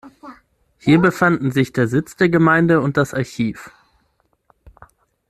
Hier befanden sich der Sitz der Gemeinde und das Archiv.